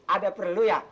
ada perlu ya